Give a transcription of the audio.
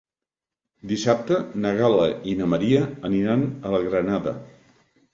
Dissabte na Gal·la i na Maria aniran a la Granada.